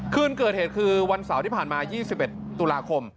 ขึ้นเกิดเหตุคือวันเสาร์ที่ผ่านมายี่สิบเอ็ดตุราคม